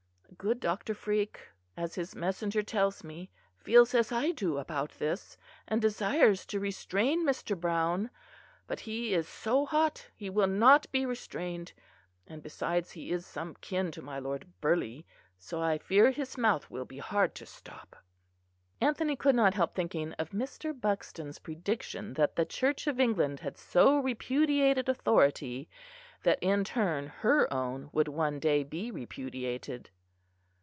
Good Dr. Freake, as his messenger tells me, feels as I do about this; and desires to restrain Mr. Browne, but he is so hot he will not be restrained; and besides, he is some kin to my Lord Burghley, so I fear his mouth will be hard to stop." Anthony could not help thinking of Mr. Buxton's prediction that the Church of England had so repudiated authority, that in turn her own would one day be repudiated.